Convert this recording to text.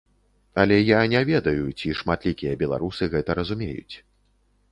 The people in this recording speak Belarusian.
Але я не ведаю, ці шматлікія беларусы гэта разумеюць.